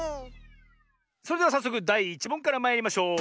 それではさっそくだい１もんからまいりましょう！